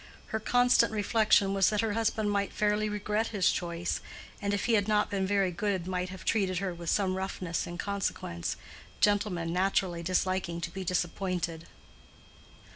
Her constant reflection was that her husband might fairly regret his choice, and if he had not been very good might have treated her with some roughness in consequence, gentlemen naturally disliking to be disappointed.